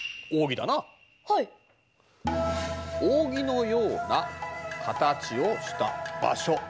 扇のような形をした場所。